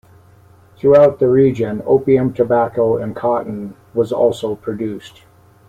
Throughout the region, opium, tobacco and cotton was also produced.